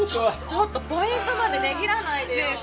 ちょっとポイントまで値切らないでよ！